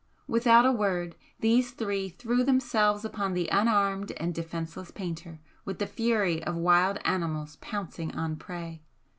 Without a word, these three threw themselves upon the unarmed and defenceless painter with the fury of wild animals pouncing on prey.